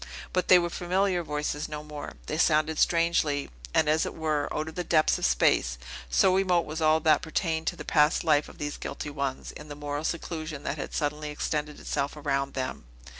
But they were familiar voices no more; they sounded strangely, and, as it were, out of the depths of space; so remote was all that pertained to the past life of these guilty ones, in the moral seclusion that had suddenly extended itself around them.